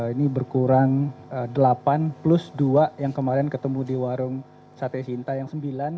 ini berkurang delapan plus dua yang kemarin ketemu di warung sate sinta yang sembilan